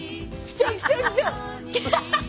アハハハ！